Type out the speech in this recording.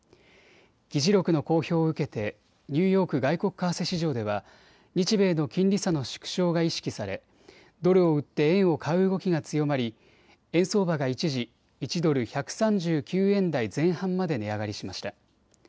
議事録の公表を受けてニューヨーク外国為替市場では日米の金利差の縮小が意識されドルを売って円を買う動きが強まり円相場が一時、１ドル１３９円台前半まで値上がりしました。